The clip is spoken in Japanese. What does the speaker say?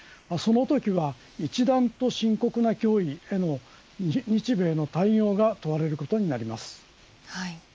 そのときは一段と深刻な脅威への日米の対応が問われることになります。